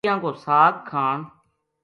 سَرِیاں کو ساگ کھاں